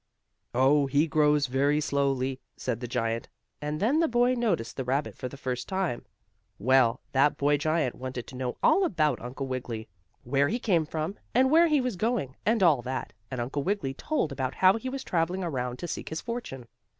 "Oh, he grows very slowly," said the giant, and then the boy noticed the rabbit for the first time. Well, that boy giant wanted to know all about Uncle Wiggily, where he came from and where he was going, and all that, and Uncle Wiggily told about how he was traveling around to seek his fortune.